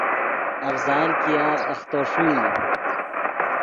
افضال ګیاغ اختو ݰوئی